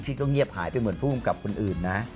ก็เงียบหายไปเหมือนผู้กำกับคนอื่นนะ